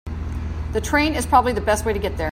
The train is probably the best way to get there.